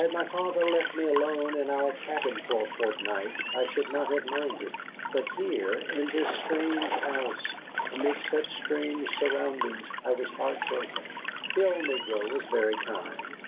Had my father left me alone in our cabin for a fortnight, I should not have minded. But here, in this strange house, amid such strange surroundings, I was heartbroken. The old negro was very kind.